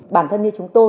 bản thân như chúng tôi